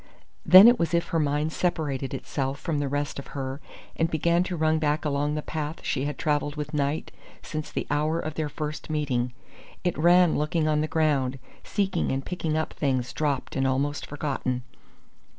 Then it was as if her mind separated itself from the rest of her and began to run back along the path she had travelled with Knight since the hour of their first meeting. It ran looking on the ground, seeking and picking up things dropped and almost forgotten.